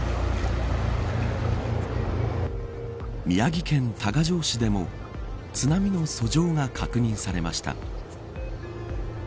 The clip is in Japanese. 宮城県多賀城市でも津波の遡上が確認されました。